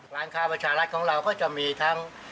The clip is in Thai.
ร้านค้าประชารัฐของเราก็จะมีทั้ง